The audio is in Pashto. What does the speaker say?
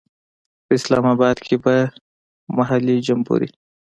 په اسلام آباد کې به محلي جمبوري.